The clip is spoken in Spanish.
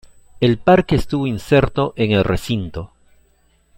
El parque estuvo inserto en el recinto.